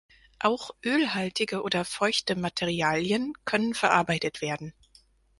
Auch ölhaltige oder feuchte Materialien können verarbeitet werden.